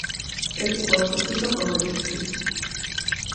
ერთი ყველასთვის და ყველა ერთისთვის